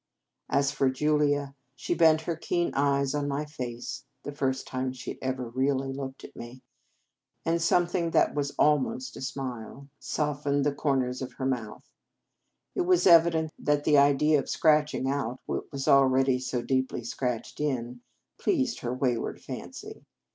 As for Julia, she bent her keen eyes on my face (the first time she had ever really looked at me), and something that was almost a smile 2 54 The Game of Love softened the corners of her mouth. It was evident that the idea of scratch ing out what was already so deeply scratched in pleased her wayward fancy.